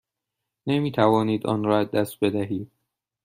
نمی توانید آن را از دست بدهید.